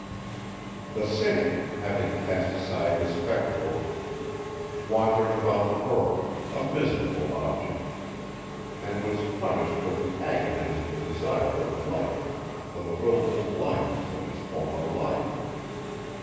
The Cynic, having cast aside his spectacles, wandered about the world, a miserable object, and was punished with an agonizing desire of light, for the wilful blindness of his former life.